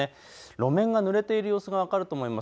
路面がぬれている様子が分かります。